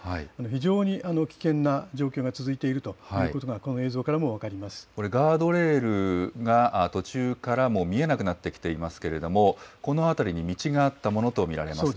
非常に危険な状況が続いているということが、この映像からも分かこれ、ガードレールが途中からも雨、見えなくなってきていますけれども、この辺りに道があったものと見られます。